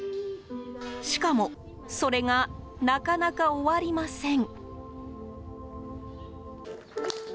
しかもそれが、なかなか終わりません。